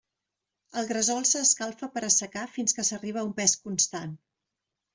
El gresol s’escalfa per assecar fins que s'arriba a un pes constant.